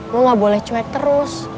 gue gak boleh cuek terus